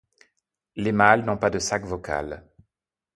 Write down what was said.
Les mâles n'ont pas de sac vocal.